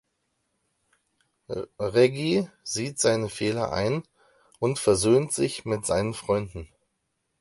Reggie sieht seine Fehler ein und versöhnt sich mit seinen Freunden.